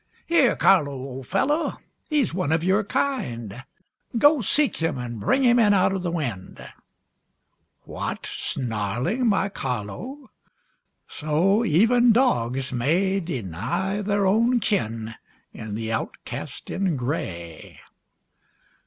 Here, Carlo, old fellow, he's one of your kind, Go, seek him, and bring him in out of the wind. What! snarling, my Carlo! So even dogs may Deny their own kin in the outcast in gray.